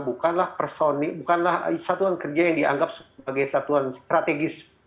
bukanlah personil bukanlah satuan kerja yang dianggap sebagai satuan strategis